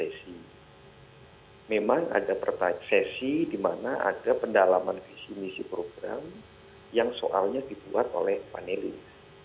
terbagi dalam beberapa sesi memang ada sesi di mana ada pendalaman visi misi program yang soalnya dibuat oleh panelis